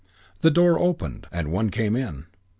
The door opened and one came in.